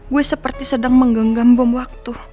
gue seperti sedang menggenggam bom waktu